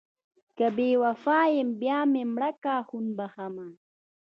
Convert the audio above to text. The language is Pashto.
که بې وفا یم بیا مې مړه کړه خون بښمه...